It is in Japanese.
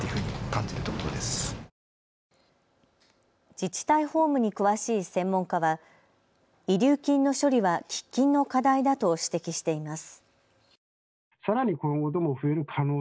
自治体法務に詳しい専門家は遺留金の処理は喫緊の課題だと指摘しています。